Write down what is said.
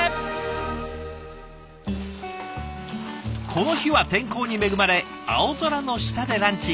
この日は天候に恵まれ青空の下でランチ。